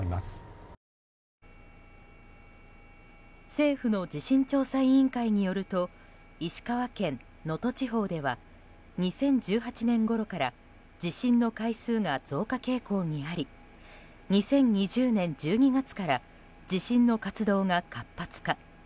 政府の地震調査委員会によると石川県能登地方では２０１８年ごろから地震の回数が増加傾向にあり２０２０年１２月から地震の活動が活発化。